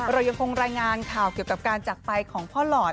เรายังคงรายงานข่าวเกี่ยวกับการจักรไปของพ่อหลอด